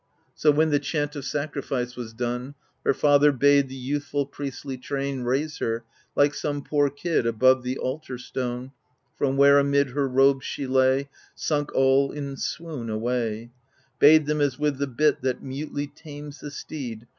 So, when the chant of sacrifice was done. Her father bade the youthful priestly train Raise her, like some poor kid, above the altar stone, From where amid her robes she lay Sunk all in swoon away — Bade them, as with the bit that mutely tames the steed.